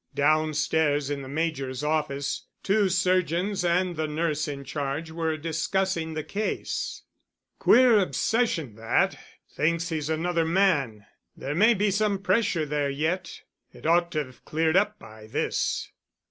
Downstairs in the Major's office two surgeons and the nurse in charge were discussing the case. "Queer obsession that. Thinks he's another man. There may be some pressure there yet. It ought to have cleared up by this."